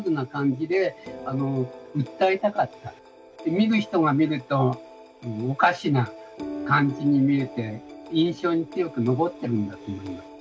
見る人が見るとおかしな感じに見えて印象に強く残っているんだと思います。